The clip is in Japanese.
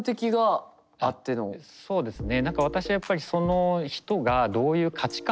そうですね。